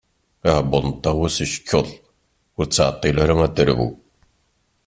Aɛebbuḍ n Tawes icekkeḍ, ur tettɛeṭṭil ara ad d-terbu.